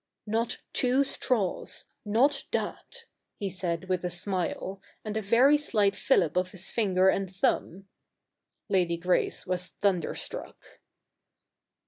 ' Not two straws — not that,' he said with a smile, and a very slight fillip of his finger and thumb. Lady Grace was thunderstruck.